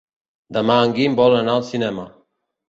Demà en Guim vol anar al cinema.